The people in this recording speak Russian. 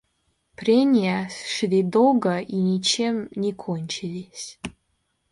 Прения шли долго и ничем не кончились.